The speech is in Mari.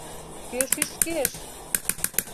— Кӧ шӱшкеш?